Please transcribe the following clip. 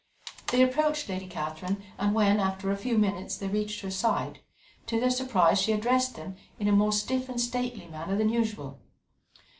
They approached Lady Catherine, and when after a few minutes they reached her side, to their surprise she addressed them in a more stiff and stately manner than usual.